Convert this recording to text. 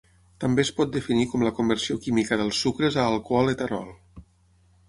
També es pot definir com la conversió química dels sucres a alcohol etanol.